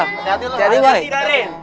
hati hati lo jangan disidari